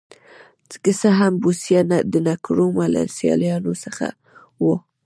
که څه هم بوسیا د نکرومه له سیالانو څخه و.